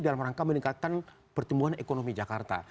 dalam rangka meningkatkan pertumbuhan ekonomi jakarta